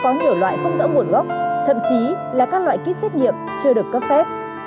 ngoại không rõ nguồn gốc thậm chí là các loại kit xét nghiệm chưa được cấp phép